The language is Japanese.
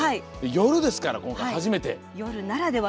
夜ですから、今回初めて。